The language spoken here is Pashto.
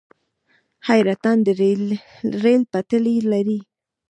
حیرتان د ریل پټلۍ لري